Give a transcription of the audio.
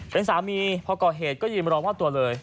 เป็นสามีพอก่อเหตุก็ยืนรอมอบตัวเลย